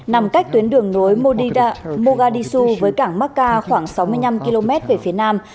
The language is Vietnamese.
nằm cách tuyến đường nối mogadishu với cảng makka khoảng sáu mươi năm km về phía nam